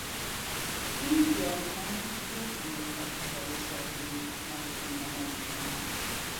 این گیاهان زود روی تپههای ساحلی نشو و نما میکنند.